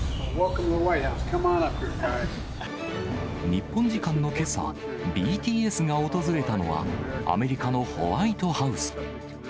日本時間のけさ、ＢＴＳが訪れたのは、アメリカのホワイトハウス。